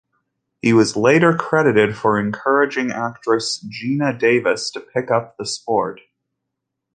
He was later credited for encouraging actress Geena Davis to pick up the sport.